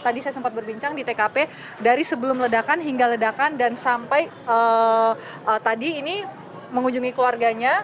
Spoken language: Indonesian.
tadi saya sempat berbincang di tkp dari sebelum ledakan hingga ledakan dan sampai tadi ini mengunjungi keluarganya